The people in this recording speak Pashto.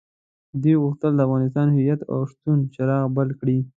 دوی غوښتل د افغان هويت او شتون څراغ بل کړي.